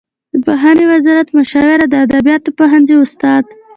د پوهنې وزارت مشاور او د ادبیاتو پوهنځي استاد شو.